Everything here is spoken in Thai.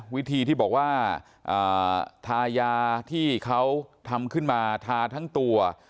วิธีที่บอกว่าทายาที่เขาทำขึ้นมาทาทั้งตัว